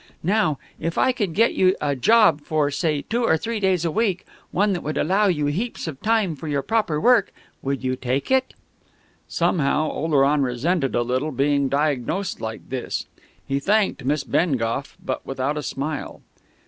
Now, if I could get you a job, for, say, two or three days a week, one that would allow you heaps of time for your proper work would you take it?" Somehow, Oleron resented a little being diagnosed like this. He thanked Miss Bengough, but without a smile.